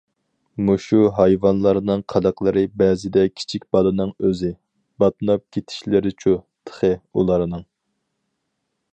مۇشۇ ھايۋانلارنىڭ قىلىقلىرى بەزىدە كىچىك بالىنىڭ ئۆزى، باتناپ كېتىشلىرىچۇ تېخى ئۇلارنىڭ.